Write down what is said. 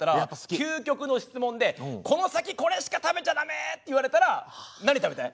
究極の質問でこの先これしか食べちゃ駄目って言われたら何食べたい？